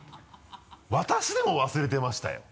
私でも忘れてましたよ